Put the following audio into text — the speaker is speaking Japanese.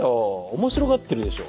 面白がってるでしょ。